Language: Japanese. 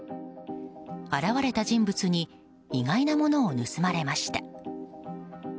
現れた人物に意外なものを盗まれました。